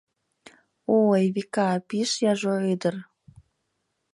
О, Эвика — пиш яжо ӹдыр.